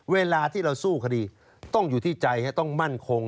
เวลาที่เราสู้คดีต้องอยู่ที่ใจต้องมั่นคง